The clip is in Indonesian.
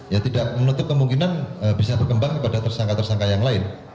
ya tidak menutup kemungkinan bisa berkembang kepada tersangka tersangka yang lain